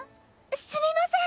すみません！